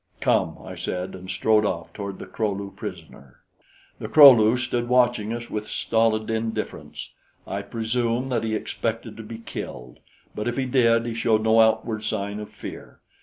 "Come!" I said, and strode off toward the Kro lu prisoner. The Kro lu stood watching us with stolid indifference. I presume that he expected to be killed; but if he did, he showed no outward sign of fear.